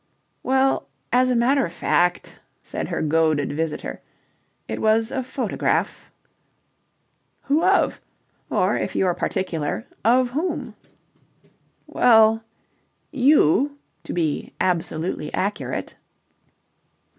"Well, as a matter of fact," said her goaded visitor, "It was a photograph." "Who of? Or, if you're particular, of whom?" "Well... you, to be absolutely accurate."